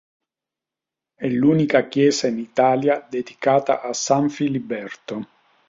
È l'unica chiesa in Italia dedicata a San Filiberto.